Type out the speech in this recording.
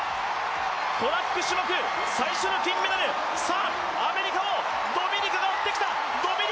トラック種目、最初の金メダル、アメリカをドミニカが追ってきた。